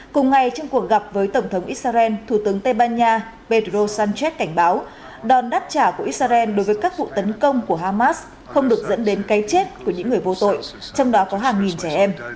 cùng ngày trong cuộc gặp với tổng thống israel thủ tướng tây ban nha pedro sánchez cảnh báo đòn đáp trả của israel đối với các vụ tấn công của hamas không được dẫn đến cái chết của những người vô tội trong đó có hàng nghìn trẻ em